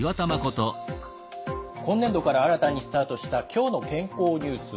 今年度から新たにスタートした「きょうの健康ニュース」。